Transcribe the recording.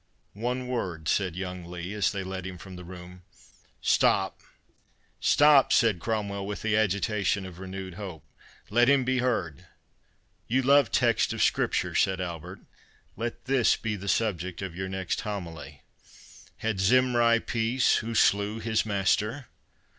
"One word," said young Lee, as they led him from the room. "Stop, stop," said Cromwell, with the agitation of renewed hope—"let him be heard." "You love texts of Scripture," said Albert—"Let this be the subject of your next homily—'Had Zimri peace, who slew his master?